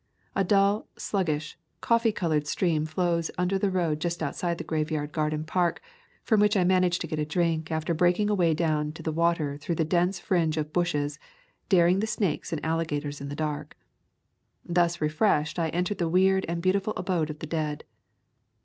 A dull, sluggish, coffee colored stream flows under the road just outside the graveyard gar den park, from which I managed to get a drink after breaking a way down to the water through a dense fringe of bushes, daring the snakes and alligators in the dark. Thus refreshed I entered the weird and beautiful abode of the dead.